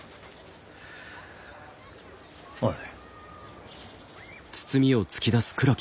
おい。